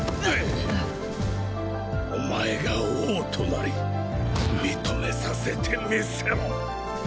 お前が王となり認めさせてみせろ。